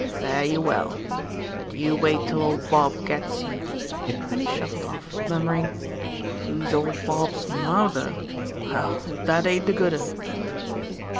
"Fare you well; but you wait till old Bob gets you," and he shuffled off, murmuring, "Who's old Bob's mawther? Well, if that ain't a good 'un."